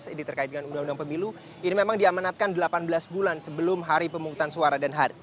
ini terkait dengan undang undang pemilu ini memang diamanatkan delapan belas bulan sebelum hari pemungutan suara